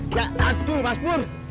ya aku pas pun